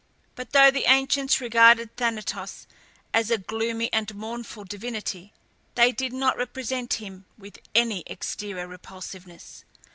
But though the ancients regarded Thanatos as a gloomy and mournful divinity, they did not represent him with any exterior repulsiveness.